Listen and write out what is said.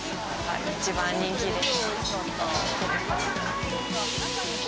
一番人気です。